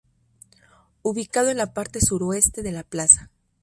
Ubicado en la parte suroeste de la Plaza.